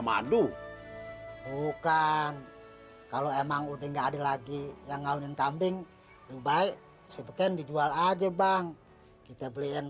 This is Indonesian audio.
madu bukan kalau emang udah ada lagi yang ngawin kambing baik baik di jual aja bang kita beliin